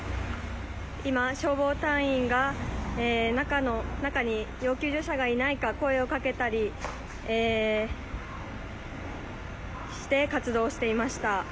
今、消防隊員が中に要救助者がいないか声をかけたりそして活動をしていました。